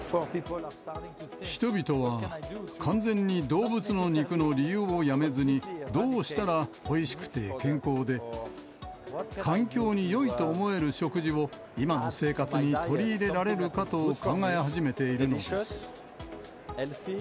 人々は、完全に動物の肉の利用をやめずに、どうしたらおいしくて健康で、環境によいと思える食事を、今の生活に取り入れられるかと考え始めているのです。